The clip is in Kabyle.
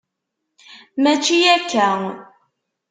Mačči akka.